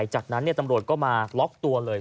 จากนั้นตำรวจก็มาล็อกตัวเลย